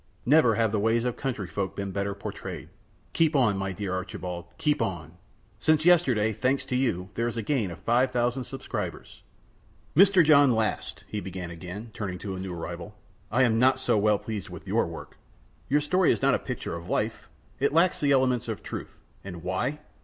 Never have the ways of country folk been better portrayed. Keep on, my dear Archibald, keep on! Since yesterday, thanks to you, there is a gain of 5000 subscribers." "Mr. John Last," he began again, turning to a new arrival, "I am not so well pleased with your work. Your story is not a picture of life; it lacks the elements of truth. And why?